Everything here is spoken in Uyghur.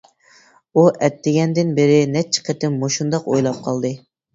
ئۇ ئەتىگەندىن بېرى نەچچە قېتىم مۇشۇنداق ئويلاپ قالدى.